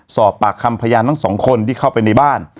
สอบปากคำพยานทั้งสองคนที่เข้าไปในบ้าน